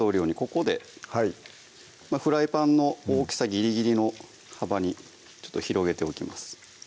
ここでフライパンの大きさギリギリの幅に広げておきます